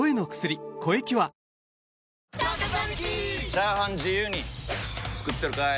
チャーハン自由に作ってるかい！？